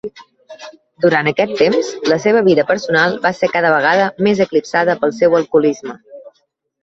Durant aquest temps, la seva vida personal va ser cada vegada més eclipsada pel seu alcoholisme.